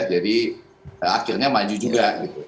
jadi akhirnya maju juga gitu